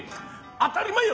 当たり前よ！